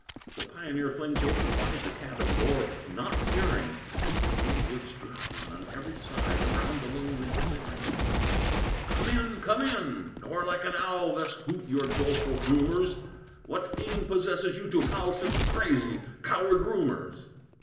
The pioneer flings open wide The cabin door, naught fearing; The grim woods drowse on every side, Around the lonely clearing. "Come in! come in! nor like an owl Thus hoot your doleful humors; What fiend possesses you to howl Such crazy, coward rumors?"